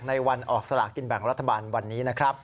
วันออกสลากินแบ่งรัฐบาลวันนี้นะครับ